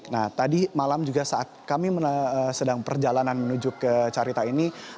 nah tadi malam juga saat kami sedang perjalanan menuju ke carita ini